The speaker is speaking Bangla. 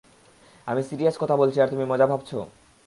আমি সিরিয়াস কথা বলছি আর তুমি মজা ভাবছো?